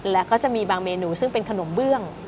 แล้วก็จะมีบางเมนูซึ่งเป็นขนมเบื้อง